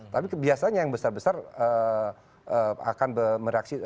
tapi biasanya yang besar besar akan mereaksi